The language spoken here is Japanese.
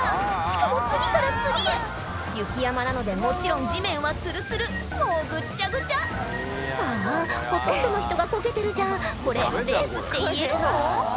しかも次から次へ雪山なのでもちろん地面はツルツルもうぐっちゃぐちゃああほとんどの人がこけてるじゃんこれレースっていえるの？